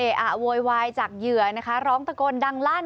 อะโวยวายจากเหยื่อนะคะร้องตะโกนดังลั่น